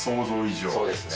そうですね。